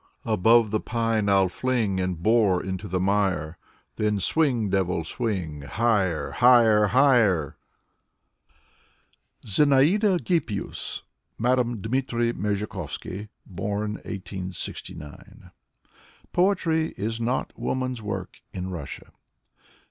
Above the pine Fll fling And bore into the mire. Then swing, devil, swing — Higher, higher, higher! Zinaida Hippius (Mme. Dmitry Merezhkovsky ; born 1869) Poetry is not woman's work in Russia.